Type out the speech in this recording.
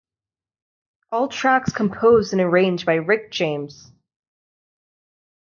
All tracks composed and arranged by Rick James.